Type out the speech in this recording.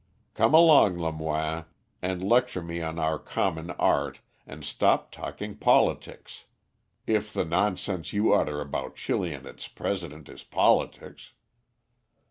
Come along, Lemoine, and lecture me on our common art, and stop talking politics, if the nonsense you utter about Chili and its president is politics."